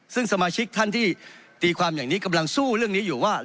ซึ่งสมาชิกท่านที่ตีความอย่างนี้กำลังสู้เรื่องนี้อยู่ว่า